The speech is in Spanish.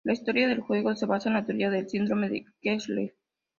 La historia del juego se basa en la teoría del síndrome de Kessler.